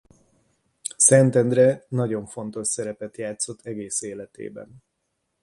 Szentendre nagyon fontos szerepet játszott egész életében.